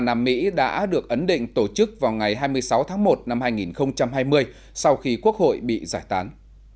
nam mỹ đã được ấn định tổ chức vào ngày hai mươi sáu tháng một năm hai nghìn hai mươi sau khi quốc hội bị giải tán